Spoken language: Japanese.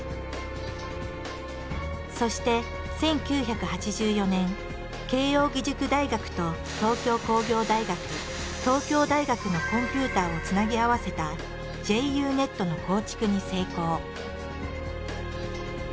そして１９８４年慶應義塾大学と東京工業大学東京大学のコンピューターをつなぎ合わせたＪＵＮＥＴの構築に成功。